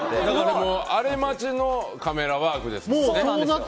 だから、あれ待ちのカメラワークですもんね。